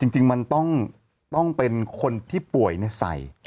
จริงมันต้องเป็นคนที่ป่วยใส่